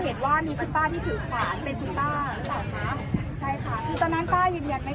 เอาบ้านมาดัดแปนมาทำเป็นทุ่มเบอร์มาเดี๋ยว